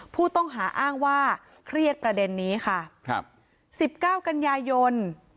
ผู้ต้องหาอ้างว่าเครียดประเด็นนี้ค่ะครับสิบเก้ากันยายน